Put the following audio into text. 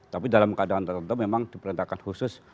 tapi dalam keadaan tertentu memang diperintahkan khusus